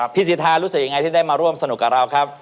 สิทธารู้สึกยังไงที่ได้มาร่วมสนุกกับเราครับ